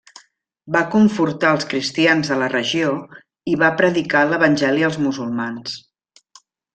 Va confortar els cristians de la regió i va predicar l'evangeli als musulmans.